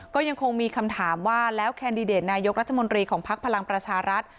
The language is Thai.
ก็ยังคงมีคำถามว่าแล้วแคนดิเดตนายกรัฐมนตรีของภักดิ์พลังประชารัฐ